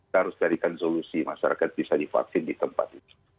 kita harus carikan solusi masyarakat bisa divaksin di tempat itu